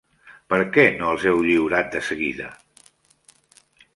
Per què no els heu lliurat de seguida?